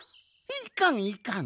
いかんいかん。